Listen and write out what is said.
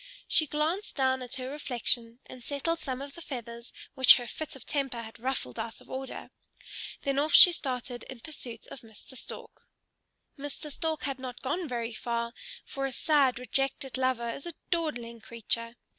She glanced down at her reflection and settled some of the feathers which her fit of temper had ruffled out of order. Then off she started in pursuit of Mr. Stork. Mr. Stork had not gone very far, for a sad, rejected lover is a dawdling creature.